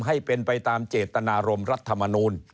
ให้เป็นไปตามเจตนารมณ์รัฐมนูล